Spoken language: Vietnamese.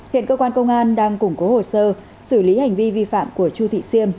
hiện cơ quan công an đang củng cố hồ sơ xử lý hành vi vi phạm của chu thị siêm